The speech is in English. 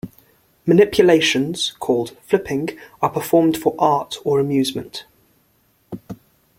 Manipulations, called "flipping", are performed for art or amusement.